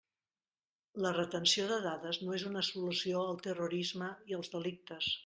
La retenció de dades no és una solució al terrorisme i als delictes!